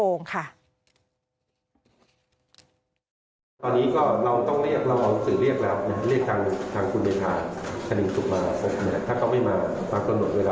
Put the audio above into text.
ตอนนี้ก็เราต้องเรียกเราเอาสื่อเรียกแล้ว